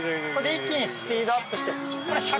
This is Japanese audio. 一気にスピードアップして。